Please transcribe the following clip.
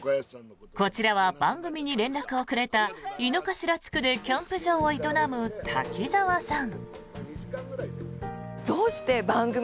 こちらは番組に連絡をくれた猪之頭地区でキャンプ場を営む瀧澤さん。